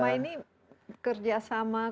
dan selama ini kerjasama kolaborasi dan semua itu